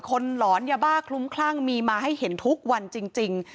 หลอนยาบ้าคลุ้มคลั่งมีมาให้เห็นทุกวันจริง